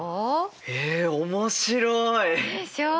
え面白い！でしょう？